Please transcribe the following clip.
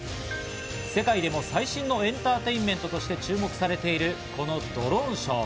世界でも最新のエンターテインメントとして注目されているこのドローンショー。